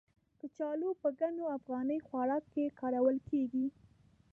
کچالو په ګڼو افغاني خواړو کې کارول کېږي.